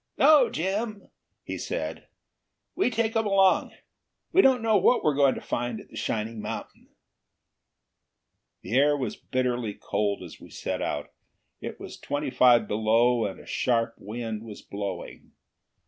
"No, Jim," he said. "We take 'em along. We don't know what we're going to find at the shining mountain." The air was bitterly cold as we set out: it was twenty five below and a sharp wind was blowing.